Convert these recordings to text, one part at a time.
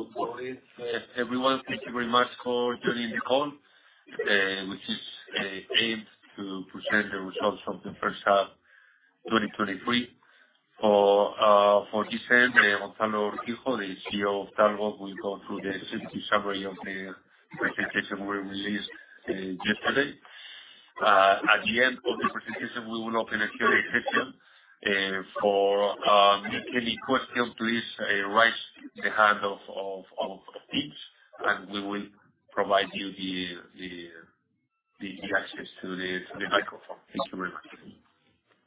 Good morning, everyone. Thank you very much for joining the call, which is aimed to present the results of the first half, 2023. For this end, Gonzalo Urquijo, the CEO of Talgo, will go through the summary of the presentation we released yesterday. At the end of the presentation, we will open a Q&A session for any questions, please, raise the hand of Teams, and we will provide you the access to the microphone. Thank you very much.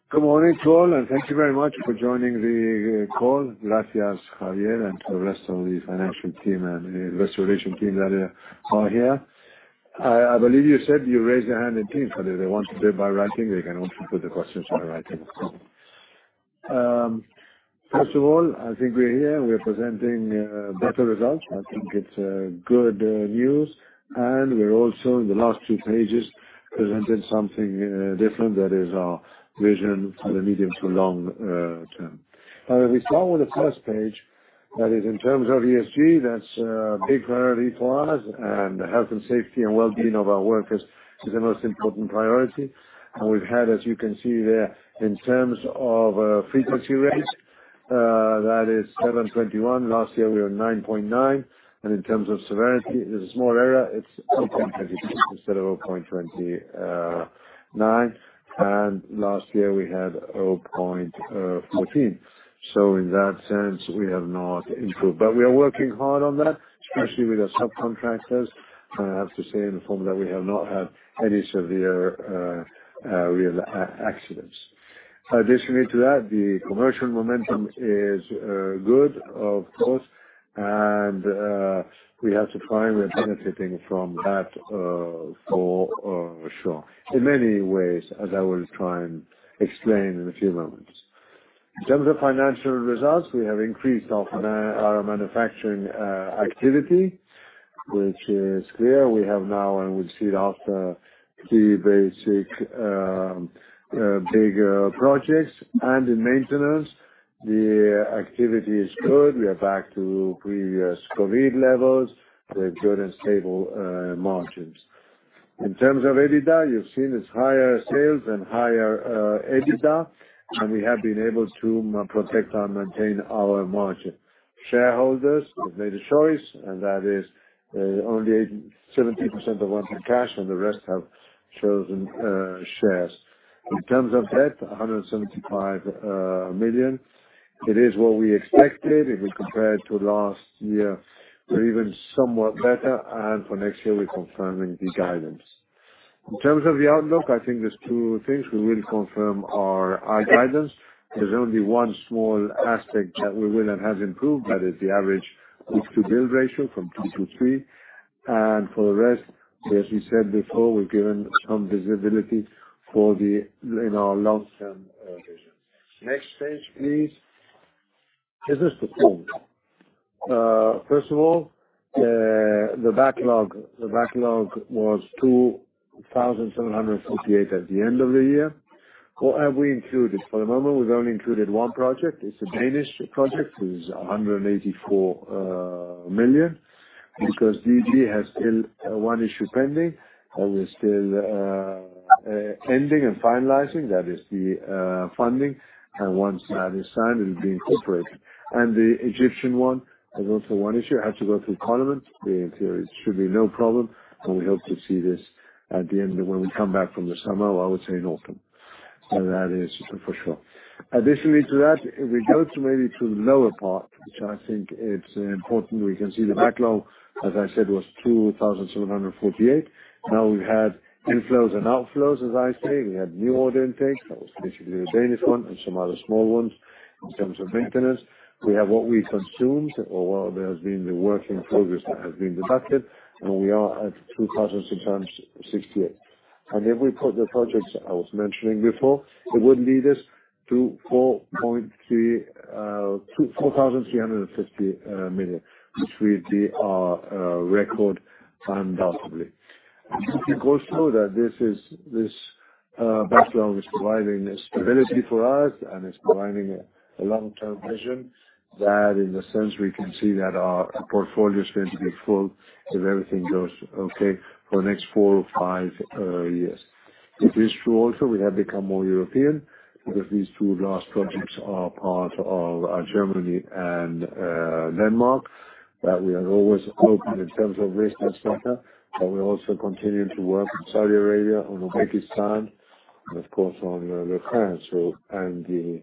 Good morning to all. Thank you very much for joining the call. Gracias, Javier, and to the rest of the financial team and investor relation team that are here. I believe you said you raised your hand in Teams, but if they want to do it by writing, they can also put the questions by writing. First of all, I think we're here. We're presenting better results. I think it's good news. We're also, in the last two pages, presenting something different. That is our vision for the medium to long term. We start with the first page. That is in terms of ESG, that's a big priority for us, and the health and safety and well-being of our workers is the most important priority. We've had, as you can see there, in terms of frequency rates, that is 7.21. Last year we were 9.9, and in terms of severity, there's a small error. It's 0.26 instead of 0.29, and last year we had 0.14. In that sense, we have not improved. We are working hard on that, especially with our subcontractors. I have to say in the form that we have not had any severe, real accidents. Additionally to that, the commercial momentum is good, of course, and we have to find we're benefiting from that for sure. In many ways, as I will try and explain in a few moments. In terms of financial results, we have increased our manufacturing activity, which is clear. We have now, and we see it after, key basic, big projects. In maintenance, the activity is good. We are back to previous COVID levels with good and stable margins. In terms of EBITDA, you've seen it's higher sales and higher EBITDA, we have been able to protect and maintain our margin. Shareholders have made a choice, that is, only 80-70% have wanted cash, the rest have chosen shares. In terms of debt, 175 million, it is what we expected. If we compare it to last year, we're even somewhat better, for next year, we're confirming the guidance. In terms of the outlook, I think there's two things. We will confirm our guidance. There's only one small aspect that we will and have improved, that is the average book-to-bill ratio from two to three. For the rest, as we said before, we've given some visibility for the, in our long-term vision. Next page, please. Business performance. First of all, the backlog, the backlog was 2,748 at the end of the year. What have we included? For the moment, we've only included one project. It's a Danish project. It is 184 million, because DSB has still one issue pending, and we're still pending and finalizing. That is the funding, and once that is signed, it will be incorporated. The Egyptian one, there's also one issue. It has to go through parliament. There it should be no problem. We hope to see this at the end of when we come back from the summer, or I would say in autumn. That is for sure. Additionally to that, if we go to maybe to the lower part, which I think it's important, we can see the backlog, as I said, was 2,748. Now we've had inflows and outflows, as I say. We had new order intake. That was basically the Danish one and some other small ones in terms of maintenance. We have what we consumed or what there has been the work in progress that has been deducted, and we are at 2,768. If we put the projects I was mentioning before, it would lead us to 4,350 million, which will be our record, undoubtedly. This backlog is providing stability for us, and it's providing a long-term vision that in the sense we can see that our portfolio is going to be full if everything goes okay for the next four or five years. It is true also, we have become more European because these two last projects are part of Germany and Denmark, that we are always open in terms of risk and so on. We also continue to work in Saudi Arabia, on Uzbekistan, and of course, on the France Road and the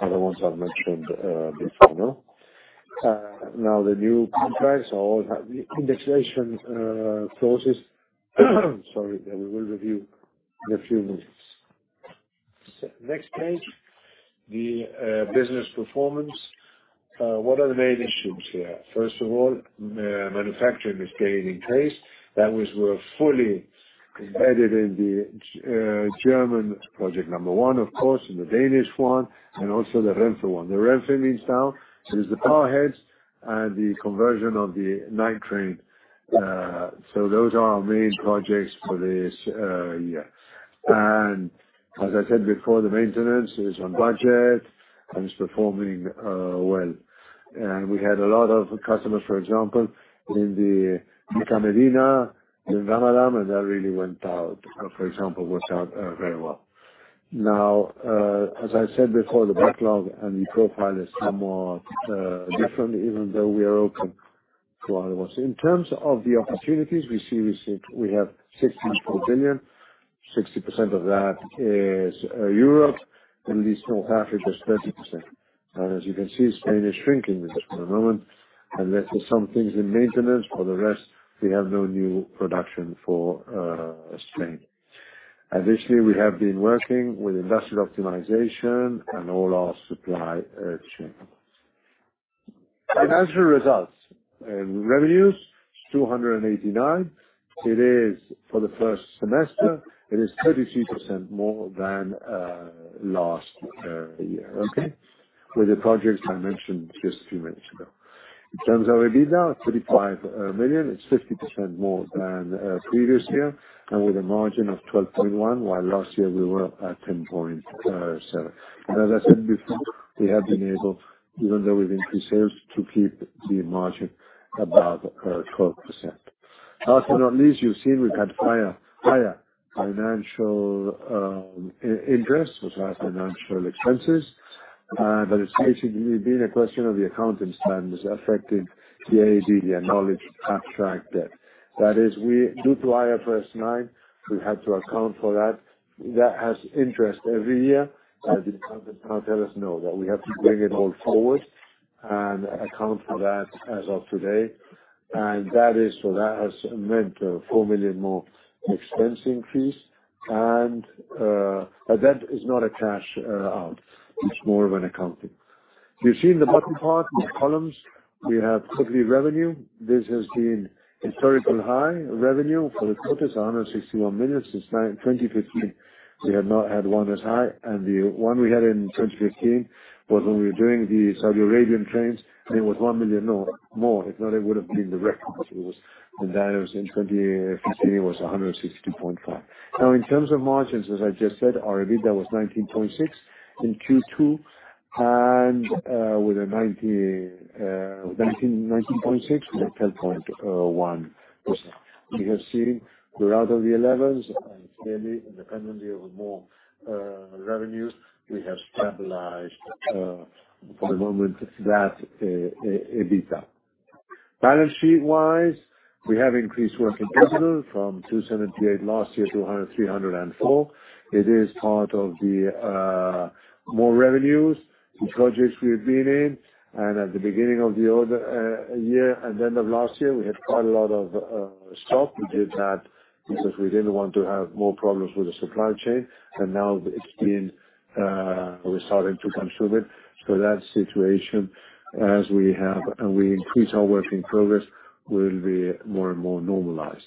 other ones I've mentioned before now. Now, the new contracts, all the indexation, clauses, sorry, we will review in a few minutes. Next page, the business performance. What are the main issues here? First of all, manufacturing is gaining pace. That was we're fully embedded in the ICE L project number one, of course, in the DSB project, and also the Renfe project. The Renfe means now is the powerheads... and the conversion of the night train. Those are our main projects for this year. As I said before, the maintenance is on budget, and it's performing well. We had a lot of customers, for example, in the Haramain, in Ramadan, and that really went out. For example, worked out, very well. As I said before, the backlog and the profile is somewhat different, even though we are open to all of us. In terms of the opportunities, we see we have 60 billion. 60% of that is Europe, the East North Africa is 30%. As you can see, Spain is shrinking at the moment, unless there's some things in maintenance, for the rest, we have no new production for Spain. This year we have been working with industrial optimization and all our supply chain. Financial results: in revenues, 289. It is for the first semester, it is 33% more than last year, okay? With the projects I mentioned just a few minutes ago. In terms of EBITDA, 35 million, it's 50% more than previous year, and with a margin of 12.1, while last year we were at 10.7. As I said before, we have been able, even though we've increased sales, to keep the margin above 12%. Last but not least, you've seen we've had higher, higher financial interest as well as financial expenses, but it's basically been a question of the accounting standards affecting the EBITDA, knowledge, contract debt. That is, due to IFRS 9, we had to account for that. That has interest every year, and the accountant now tell us no, that we have to bring it all forward and account for that as of today. That has meant 4 million more expense increase, but that is not a cash out. It's more of an accounting. You've seen the bottom part, the columns. We have quarterly revenue. This has been a historical high revenue for the quarters, 161 million. Since 2015, we had not had one as high, and the one we had in 2015 was when we were doing the Saudi Arabian trains, and it was 1 million more. If not, it would've been the record it was. That was in 2015, it was 162.5 million. In terms of margins, as I just said, our EBITDA was 19.6 million in Q2, and with 19.6, we have 10.1%. We have seen we're out of the elevens, clearly, independently of more revenue, we have stabilized for the moment, that EBITDA. Balance sheet-wise, we have increased working capital from 278 last year to 304. It is part of the more revenues, the projects we have been in, at the beginning of the other year and end of last year, we had quite a lot of stock. We did that because we didn't want to have more problems with the supply chain, now it's being we're starting to consume it. That situation, as we have and we increase our work in progress, will be more and more normalized.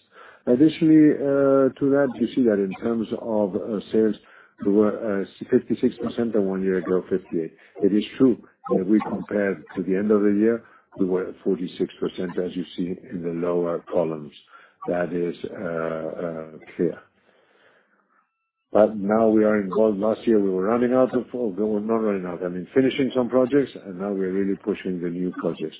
Additionally to that, you see that in terms of sales, we were 56% and one year ago, 58%. It is true that we compared to the end of the year, we were at 46%, as you see in the lower columns. That is clear. Now we are in gold. Last year, we were running out of... Not running out, I mean, finishing some projects, and now we're really pushing the new projects.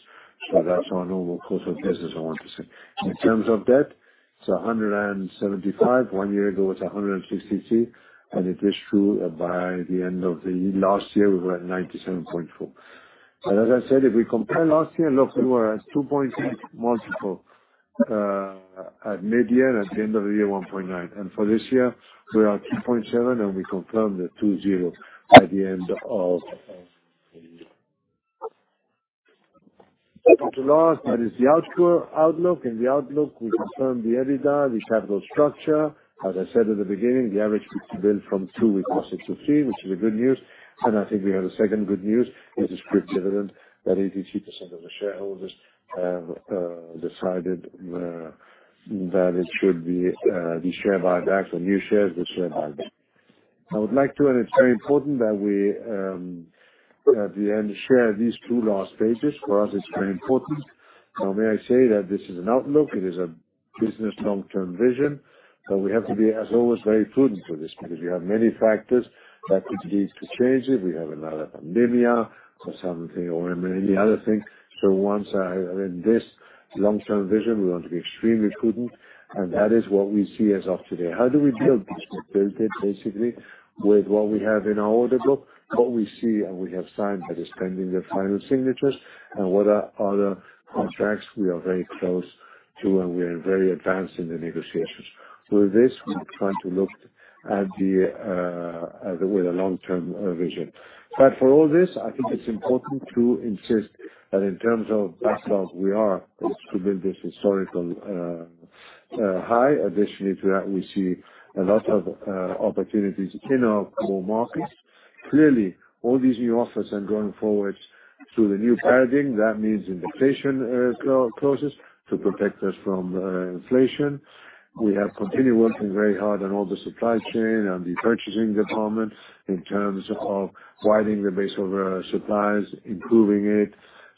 That's our normal course of business, I want to say. In terms of debt, it's 175. One year ago, it was 163, and it is true by the end of the last year, we were at 97.4. As I said, if we compare last year, look, we were at 2.0x multiple at mid-year, and at the end of the year, 1.9x. For this year, we are at 2.7, and we confirm the 2.0 by the end of the year. Last, that is the outlook, and the outlook, we confirm the EBITDA, the capital structure. As I said at the beginning, the average book-to-bill from 2, we got 6 to 3, which is a good news. I think we have a second good news, is the script dividend that 82% of the shareholders have decided that it should be the share buyback or new shares, the share buyback. I would like to, and it's very important that we at the end, share these two last pages. For us, it's very important. May I say that this is an outlook, it is a business long-term vision, but we have to be, as always, very prudent to this, because you have many factors that could lead to changes. We have another pandemic or something or any other thing. In this long-term vision, we want to be extremely prudent, and that is what we see as of today. How do we build this? We build it basically with what we have in our order book, what we see and we have signed, that is pending the final signatures, and what are other contracts we are very close to, and we are very advanced in the negotiations. This, we try to look at the, at the, with the long-term vision. For all this, I think it's important to insist that in terms of backlog, we are still in this historical high. Additionally to that, we see a lot of opportunities in our core markets. Clearly, all these new offers and going forward to the new paradigm, that means invitation, closes to protect us from inflation. We have continued working very hard on all the supply chain and the purchasing departments in terms of widening the base of our suppliers, improving it,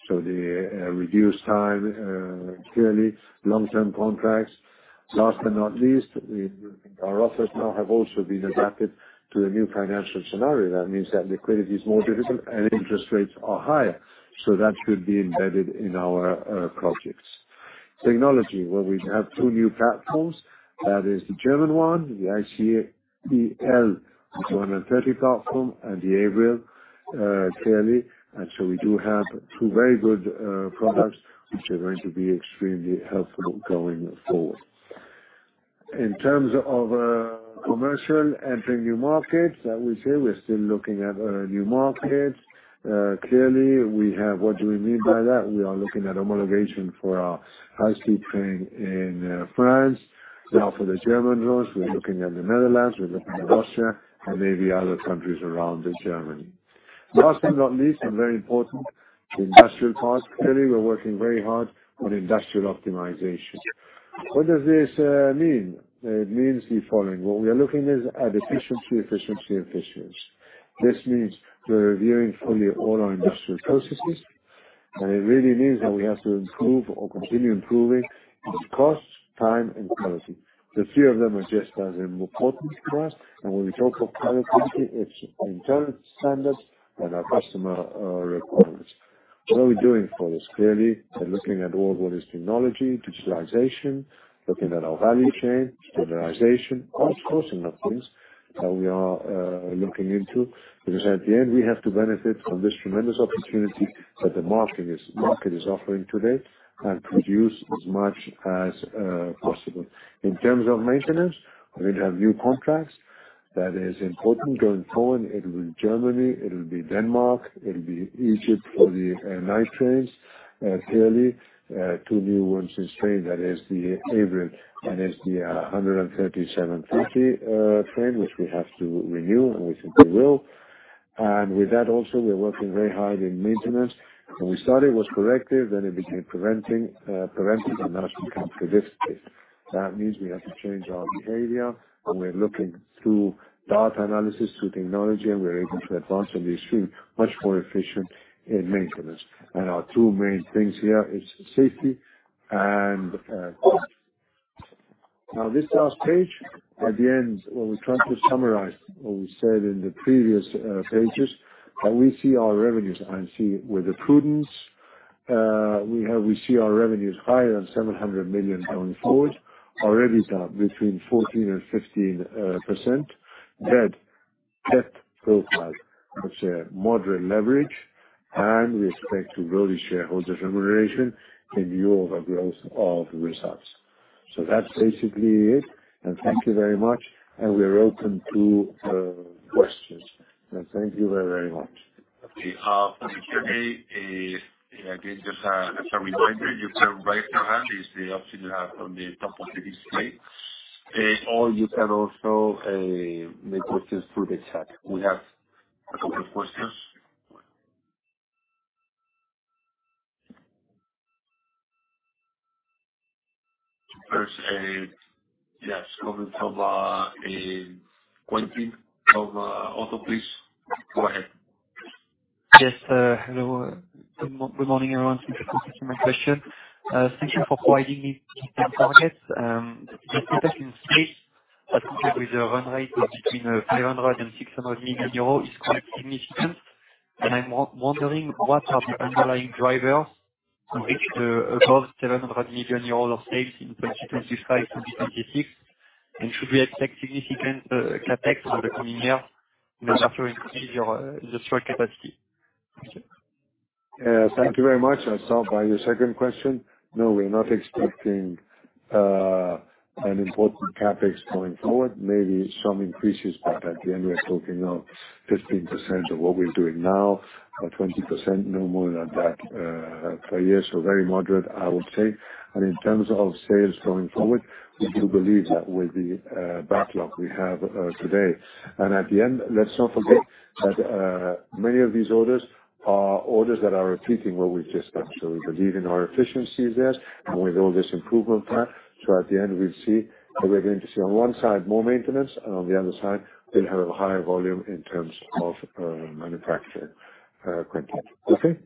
so the reduced time, clearly long-term contracts. Last but not least, we, our offers now have also been adapted to the new financial scenario. That means that liquidity is more difficult and interest rates are higher, so that should be embedded in our projects. Technology, where we have two new platforms, that is the German one, the ICE L, 230 platform, and the Avril, clearly. So we do have two very good products, which are going to be extremely helpful going forward. In terms of commercial, entering new markets, that we say we're still looking at new markets. What do we mean by that? We are looking at homologation for our high-speed train in France. Now, for the German roads, we're looking at the Netherlands, we're looking at Russia and maybe other countries around Germany. Last but not least, and very important, the industrial part. Clearly, we're working very hard on industrial optimization. What does this mean? It means the following: what we are looking is at efficiency, efficiency, efficiency. This means we're reviewing fully all our industrial processes, it really means that we have to improve or continue improving its cost, time, and quality. The three of them are just as important to us, when we talk of quality, it's internal standards and our customer requirements. What are we doing for this? Clearly, we're looking at all what is technology, digitalization, looking at our value chain, standardization, cost, cost of things that we are looking into, because at the end, we have to benefit from this tremendous opportunity that the market is offering today, and produce as much as possible. In terms of maintenance, we have new contracts that is important going forward. It will be Germany, it'll be Denmark, it'll be Egypt for the nice trains, clearly. two new ones in Spain, that is the Avril and is the 13,750 train, which we have to renew, and we think we will. With that, also, we're working very hard in maintenance. When we started, it was corrective, then it became preventive, and now it become predictive. That means we have to change our behavior, we're looking through data analysis, through technology, we're able to advance on the extreme, much more efficient in maintenance. Our two main things here is safety and cost. This last page, at the end, what we're trying to summarize what we said in the previous pages, that we see our revenues, and see with the prudence, we have- we see our revenues higher than 700 million going forward. Our EBITDA between 14% and 15%. Debt, debt profile, which a moderate leverage and we expect to grow the shareholder remuneration in view of the growth of results. That's basically it, and thank you very much, and we are open to questions. Thank you very, very much. We have today, again, just a, as a reminder, you can raise your hand. It's the option you have on the top of the display, or you can also make questions through the chat. We have a couple of questions. First, yes, coming from Quentin from Oddo BHF. Go ahead. Yes, hello. Good morning, everyone. Thank you for taking my question. Thank you for providing me the targets. The increase in sales, as compared with the run rate of between 500 million euros and 600 million euros, is quite significant, and I'm wondering, what are the underlying drivers to reach the above 700 million euros of sales in 2025-2026? Should we expect significant CapEx for the coming year in order to increase your industrial capacity? Thank you. Thank you very much. I'll start by your second question. No, we're not expecting an important CapEx going forward. Maybe some increases, but at the end, we're talking of 15% of what we're doing now, or 20%, no more than that, per year. Very moderate, I would say. In terms of sales going forward, we do believe that with the backlog we have today. At the end, let's not forget that many of these orders are orders that are repeating what we've just done. We believe in our efficiencies there and with all this improvement plan. At the end, we'll see that we're going to see on one side, more maintenance, and on the other side, we'll have a higher volume in terms of manufacture content. Okay.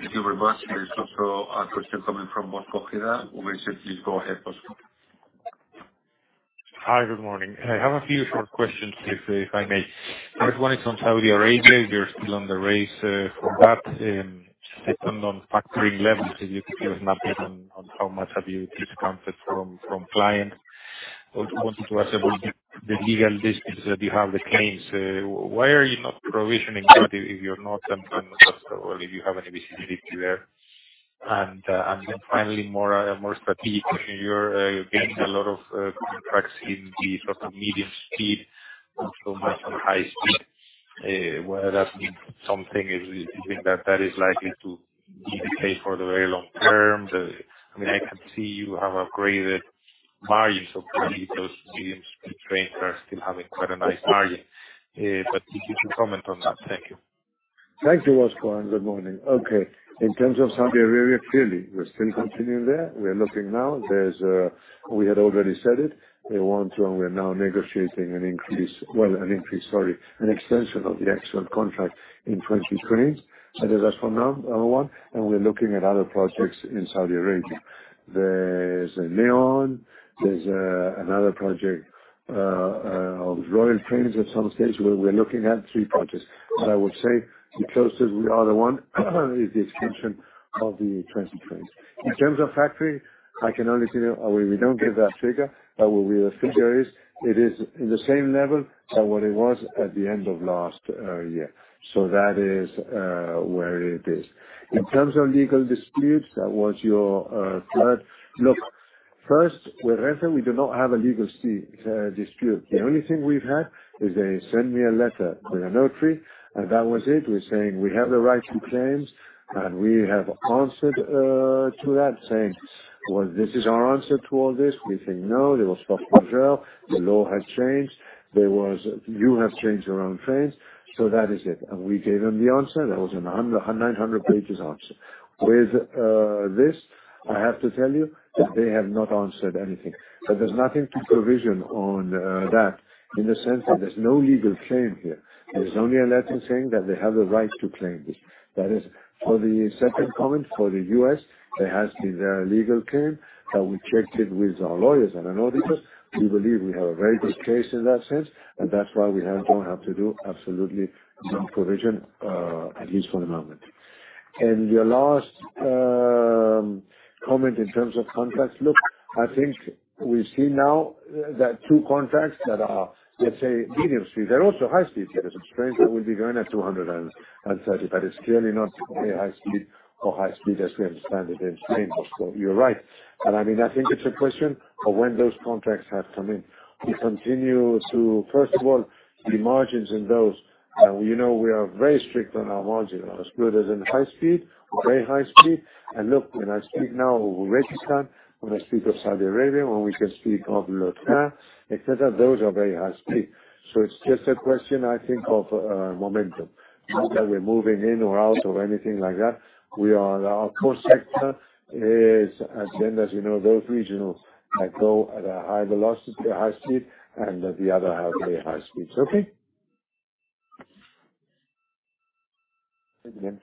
Thank you very much. There is also a question coming from Bosco Ojeda. Bosco, please go ahead, Bosco. Hi, good morning. I have a few short questions, if, if I may. First one is on Saudi Arabia. You're still on the race for that, dependent on factoring levels, can you give us an update on, on how much have you discounted from, from clients? Also wanted to ask about the, the legal disputes that you have, the claims. Why are you not provisioning that if you're not, and, and also or if you have any visibility there? Then finally, more, more strategic. You're gaining a lot of contracts in the sort of medium speed, not so much on high speed, whether that means something, if you think that that is likely to be the case for the very long term? I mean, I can see you have upgraded margins, so maybe those medium-speed trains are still having quite a nice margin. If you can comment on that. Thank you. Thank you, Bosco, good morning. Okay, in terms of Saudi Arabia, clearly, we're still continuing there. We're looking now. There's, we had already said it. We want to, and we are now negotiating an increase, an extension of the excellent contract in 2020. That's for now, one, and we're looking at other projects in Saudi Arabia. There's a Neom, there's another project of Royal trains at some stage, where we're looking at three projects. I would say the closest we are the one, is the extension of the 20 trains. In terms of factory, I can only tell you, we, we don't give that figure, but what we figure is, it is in the same level of what it was at the end of last year. That is where it is. In terms of legal disputes, that was your third. Look, first, with Renfe, we do not have a legal dispute. The only thing we've had is they send me a letter with a notary, and that was it. We're saying, "We have the right to claims," and we have answered to that, saying, "Well, this is our answer to all this." We say, "No, there was force majeure. The law has changed. You have changed around trains." That is it. We gave them the answer. That was a 100, 900 pages answer. With this, I have to tell you that they have not answered anything. There's nothing to provision on that, in the sense that there's no legal claim here. There's only a letter saying that they have the right to claim this. That is, for the second comment, for the U.S., there has been a legal claim. We checked it with our lawyers and our auditors. We believe we have a very good case in that sense, and that's why we don't have to do absolutely no provision, at least for the moment. Your last comment in terms of contracts. Look, I think we see now that two contracts that are, let's say, medium speed, they're also high speed, because the trains that will be going at 230. It's clearly not very high speed or high speed as we understand it in Spain. You're right, and I mean, I think it's a question of when those contracts have come in. We continue to... First of all, the margins in those, you know, we are very strict on our margins, as good as in high speed, very high speed. Look, when I speak now of Rajasthan, when I speak of Saudi Arabia, when we can speak of La Meca, et cetera, those are very high speed. It's just a question, I think, of momentum, not that we're moving in or out or anything like that. We are, our core sector is, and then, as you know, those regional that go at a high velocity or high speed, and the other have very high speeds. Okay? Thank you.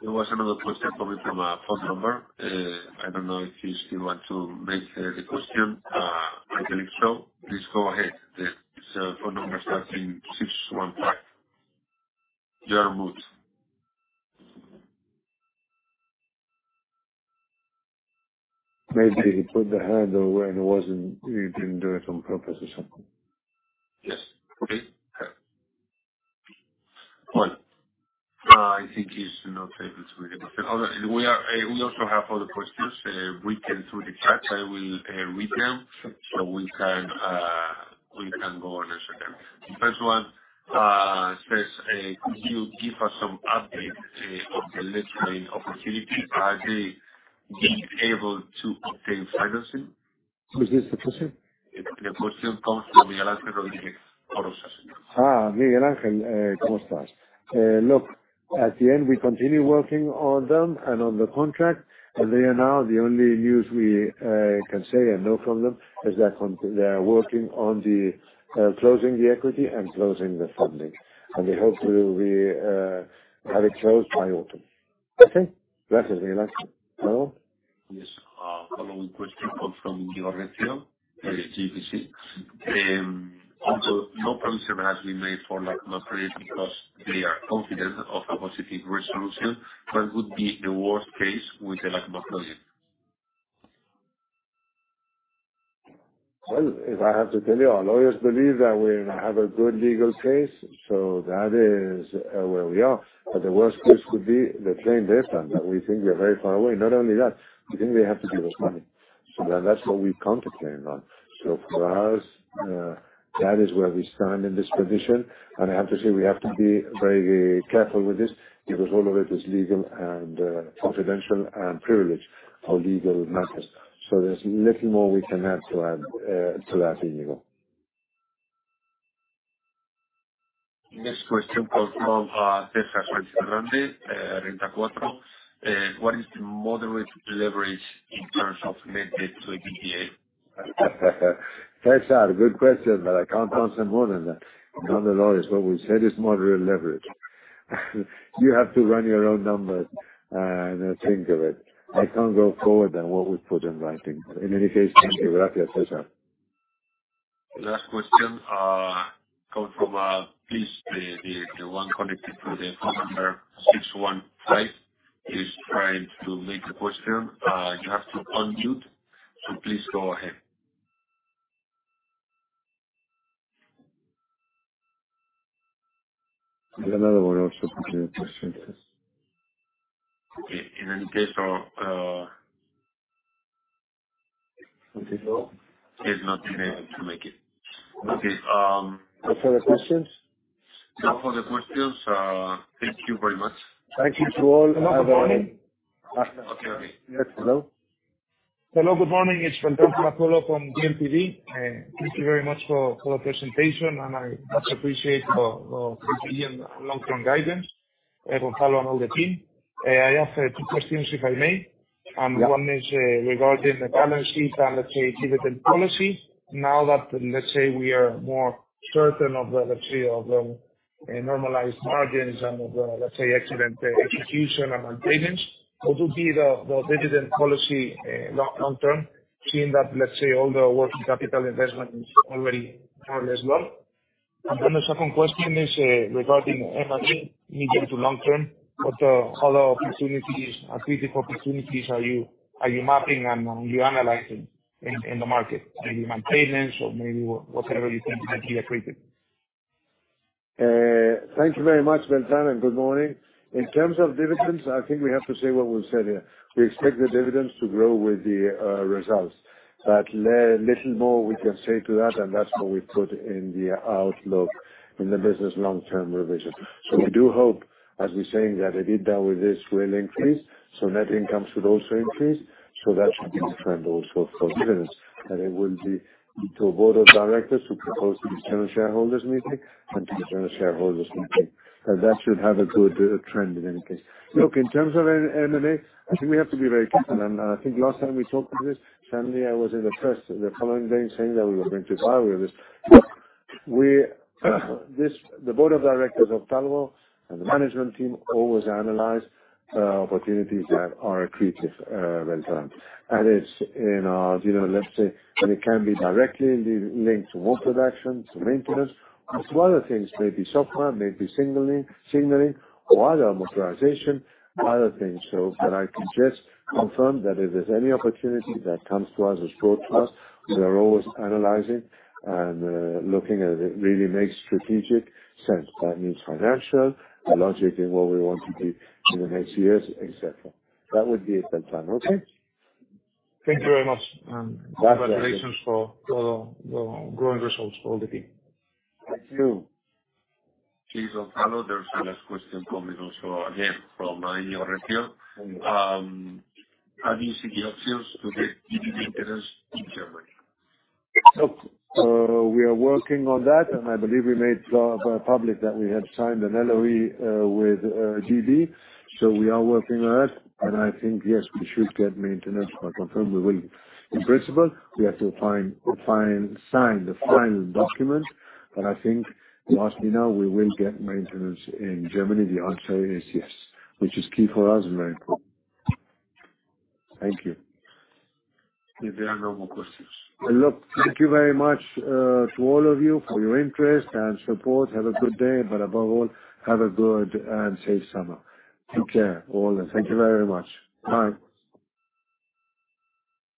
There was another question coming from a phone number. I don't know if you still want to make the question. I believe so. Please go ahead. The phone number starting 615. You are mute. Maybe he put the hand away, and he wasn't, he didn't do it on purpose or something. Yes. Okay. Well, I think he's not able to do it. We are, we also have other questions, we can through the chat. I will read them, so we can, we can go on a second. The first one says, could you give us some updates on the electric train opportunity? Are they being able to obtain financing? What is the question? The question comes from the. Miguel Angel, como estas? Look, at the end, we continue working on them and on the contract, and they are now the only news we can say and know from them, is they're they are working on the closing the equity and closing the funding. We hope to be have it closed by autumn. Okay? Gracias, Miguel Angel. Hello? Yes. Following question comes from. Although no problem has been made for La Meca project because they are confident of a positive resolution, what would be the worst case with the La Meca project? Well, as I have to tell you, our lawyers believe that we have a good legal case, so that is where we are. The worst case would be the train data, that we think we are very far away. Not only that, we think we have to give us money. That, that's what we're concentrating on. For us, that is where we stand in this position. I have to say we have to be very careful with this, because all of it is legal and confidential and privileged, our legal matters. There's little more we can add to add to that in legal. Next question comes from César Sánchez-Grande. What is the moderate leverage in terms of net debt to EBITDA? Tessa, good question, but I can't answer more than that. Not the lawyers, but we said it's moderate leverage. You have to run your own numbers and think of it. I can't go forward than what we've put in writing. In any case, thank you. Gracias, César. Last question, comes from, please, the, the, the one connected to the phone number 615. He's trying to make a question. You have to unmute, so please go ahead. There's another one also put a question. In any case, he's not able to make it. Okay. No further questions? No further questions. Thank you very much. Thank you to all. Have a good morning. Okay. Okay. Yes, hello? Hello, good morning. It's [Gonzalo de Manganello from BNTV]. Thank you very much for the presentation, and I much appreciate your long-term guidance, Gonzalo and all the team. I have two questions, if I may. One is regarding the balance sheet and dividend policy. Now that we are more certain of the of normalized margins and of the excellent execution and guidance, what would be the dividend policy long, long term, seeing that all the working capital investment is already more or less low? The second question is regarding M&A, medium to long term, what are the opportunities, accretive opportunities are you mapping and you're analyzing in the market? Maybe maintenance or maybe what, whatever you think might be accretive. Thank you very much, Gonzalo. Good morning. In terms of dividends, I think we have to say what we said here. We expect the dividends to grow with the results, but little more we can say to that. That's what we put in the outlook in the business long-term revision. We do hope, as we're saying, that EBITDA with this will increase, so net income should also increase, so that should be a trend also for dividends. It will be to a board of directors to propose to the general shareholders meeting and to the general shareholders meeting. That should have a good trend in any case. Look, in terms of M&A, I think we have to be very careful, and I think last time we talked on this, certainly I was in the press the following day saying that we were going to go with this. We, this, the board of directors of Talgo and the management team always analyze, opportunities that are accretive, Gonzalo. It's in our, you know, let's say, and it can be directly li- linked to more production, to maintenance, as well as things, maybe software, maybe signaling, signaling, or other motorization, other things. But I can just confirm that if there's any opportunity that comes to us or brought to us, we are always analyzing and, looking at it, really makes strategic sense. That means financial, the logic in what we want to do in the next years, et cetera. That would be it, Gonzalo. Okay? Thank you very much. Congratulations for the growing results for all the team. Thank you. Please, Gonzalo, there's a last question coming also, again, from your area. Have you signed the options to get DB maintenance in Germany? We are working on that, and I believe we made public that we had signed an LOI with DB. We are working on that, and I think, yes, we should get maintenance. I confirm we will. In principle, we have to sign the final document, but I think you ask me now, we will get maintenance in Germany. The answer is yes, which is key for us and very important. Thank you. If there are no more questions. Thank you very much to all of you for your interest and support. Have a good day, but above all, have a good and safe summer. Take care, all, and thank you very much. Bye.